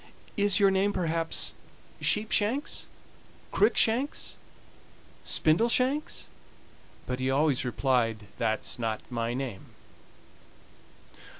"Is your name, perhaps, Sheepshanks Cruickshanks, Spindleshanks?" but he always replied: "That's not my name."